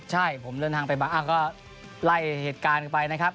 ใช่ผมเลื่อนทางไปบ้างอ้าก็ไล่เหตุการณ์ไปนะครับ